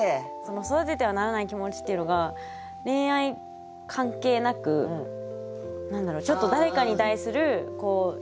「育ててはならない気持ち」っていうのが恋愛関係なくちょっと誰かに対する嫌な。